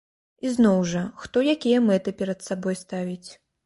І зноў жа, хто якія мэты перад сабой ставіць.